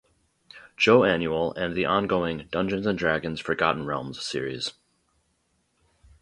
Joe Annual" and the ongoing "Dungeons and Dragons: Forgotten Realms" series.